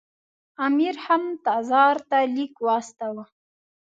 امیر هم تزار ته لیک واستاوه.